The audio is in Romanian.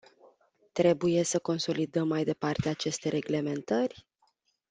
Trebuie să consolidăm mai departe aceste reglementări?